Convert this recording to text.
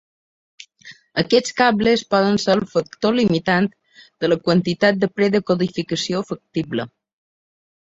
Aquests cables poden ser el factor limitant de la quantitat de predecodificació factible.